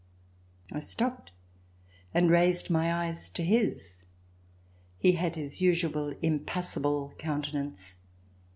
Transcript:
I stopped and raised my eyes to his. He had his usual impassible countenance.